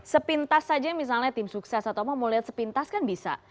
sepintas saja misalnya tim sukses atau mau lihat sepintas kan bisa